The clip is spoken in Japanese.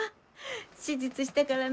手術したからな。